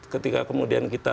ketika kemudian kita